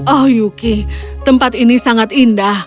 oh yuki tempat ini sangat indah